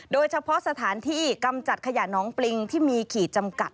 โดยเฉพาะสถานที่กำจัดขยะน้องปริงที่มีขีดจำกัด